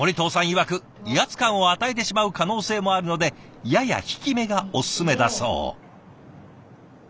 いわく威圧感を与えてしまう可能性もあるのでやや引きめがオススメだそう。